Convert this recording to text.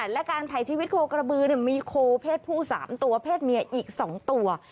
และการถ่ายชีวิตโคกระบือมีโคเพศผู้๓ตัวเพศเมียอีก๒ตัว